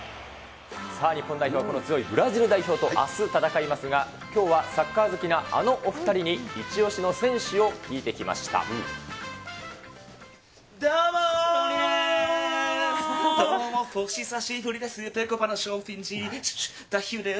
さあ、日本代表、この強いブラジル代表と、あす戦いますが、きょうはサッカー好きなあのお２人にイチオシの選手を聞いてきまどうもー。